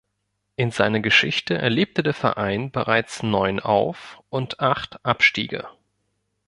In seiner Geschichte erlebte der Verein bereits neun Auf- und acht Abstiege.